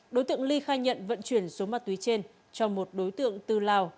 đối tượng ly khai nhận vận chuyển số ma túy trên cho một đối tượng từ lào